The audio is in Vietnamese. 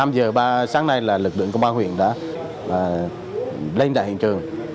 năm giờ ba sáng nay là lực lượng công an huyện đã lên đại hiện trường